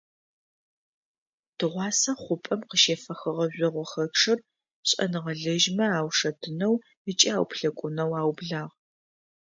Тыгъуасэ хъупӏэм къыщефэхыгъэ жъогъохэчъыр шӏэныгъэлэжьхэмэ аушэтынэу ыкӏи ауплъэкӏунэу аублагъ.